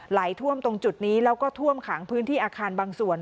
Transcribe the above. ไหลท่วมตรงจุดนี้แล้วก็ท่วมขังพื้นที่อาคารบางส่วน